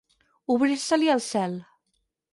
Obrir-se-li el cel.